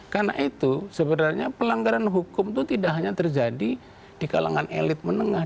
karena itu sebenarnya pelanggaran hukum itu tidak hanya terjadi di kalangan elit menengah